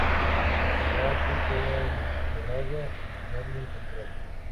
El barco fue abordado y Erling capturado.